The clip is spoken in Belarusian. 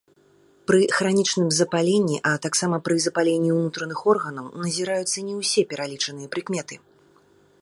Пры хранічным запаленні, а таксама пры запаленні ўнутраных органаў назіраюцца не ўсе пералічаныя прыкметы.